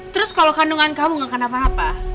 terus kalau kandungan kamu gak kenapa napa